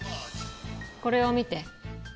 これを見て。